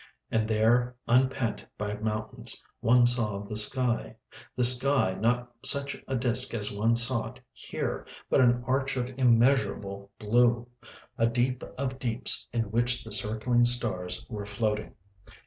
And there, unpent by mountains, one saw the sky—the sky, not such a disc as one saw it here, but an arch of immeasurable blue, a deep of deeps in which the circling stars were floating